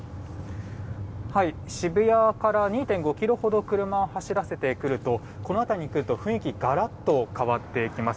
渋谷から２．５ｋｍほど車を走らせてくるとこの辺りに来ると雰囲気がガラッと変わってきます。